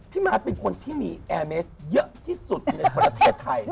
มาร์ทเป็นคนที่มีแอร์เมสเยอะที่สุดในประเทศไทย